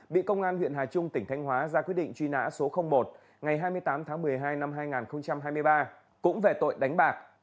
bị công an huyện hà trung tỉnh thanh hóa ra quyết định truy nã số một ngày hai mươi tám tháng một mươi hai năm hai nghìn hai mươi ba cũng về tội đánh bạc